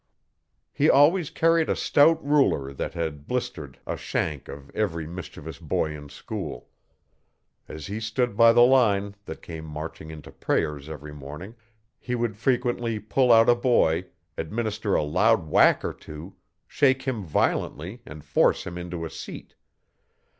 He always carried a stout ruler that had blistered a shank of every mischievous boy in school. As he stood by the line, that came marching into prayers every morning he would frequently pull out a boy, administer a loud whack or two, shake him violently and force him into a seat.